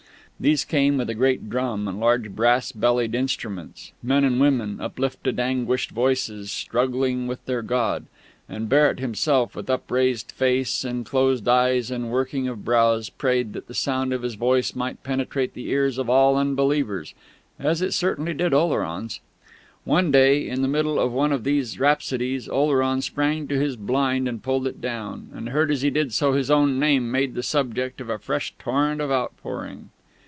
These came with a great drum and large brass bellied instruments; men and women uplifted anguished voices, struggling with their God; and Barrett himself, with upraised face and closed eyes and working brows, prayed that the sound of his voice might penetrate the ears of all unbelievers as it certainly did Oleron's. One day, in the middle of one of these rhapsodies, Oleron sprang to his blind and pulled it down, and heard as he did so his own name made the subject of a fresh torrent of outpouring.